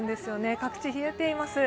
各地、冷えています。